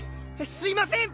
すいません！